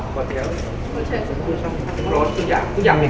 พวกมันจัดสินค้าที่๑๙นาที